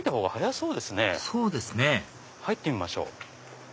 そうですね入ってみましょう。